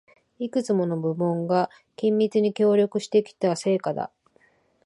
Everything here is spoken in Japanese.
いくつもの部門が緊密に協力してきた成果だ